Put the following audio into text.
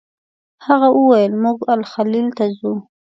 هغه وویل موږ الخلیل ته ځو.